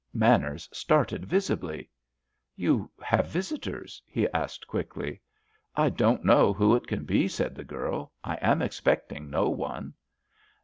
Manners started visibly. "You have visitors?" he asked quickly. "I don't know who it can be," said the girl. "I am expecting no one."